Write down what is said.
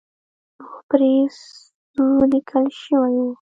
نو پرې ځو لیکل شوي وو.